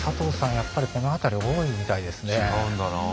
やっぱりこの辺り多いみたいですね。